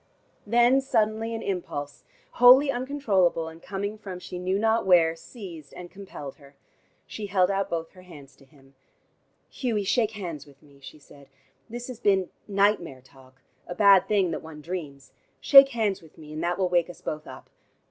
Then suddenly an impulse, wholy uncontrollable, and coming from she knew not where, seized and compelled her. She held out both her hands to him. "Hughie, shake hands with me," she said. "This has been nightmare talk, a bad thing that one dreams. Shake hands with me, and that will wake us both up.